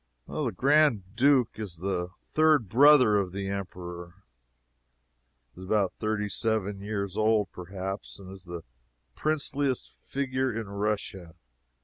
The Grand Duke is the third brother of the Emperor, is about thirty seven years old, perhaps, and is the princeliest figure in Russia.